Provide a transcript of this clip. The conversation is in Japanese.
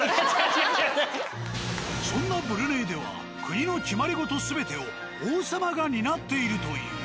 ［そんなブルネイでは国の決まり事全てを王様が担っているという］